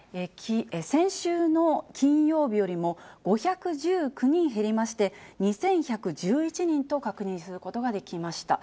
先週の金曜日よりも５１９人減りまして、２１１１人と確認することができました。